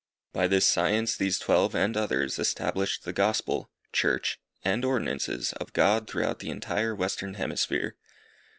By this science these twelve and others established the Gospel, Church, and ordinances of God throughout the entire western hemisphere.